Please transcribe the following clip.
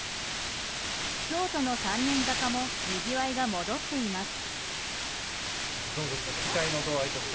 京都の三年坂もにぎわいが戻っています。